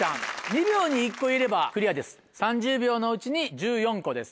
２秒に１個言えればクリアです３０秒のうちに１４個です。